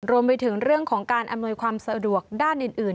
รวมไปถึงเรื่องของการอำนวยความสะดวกด้านอื่น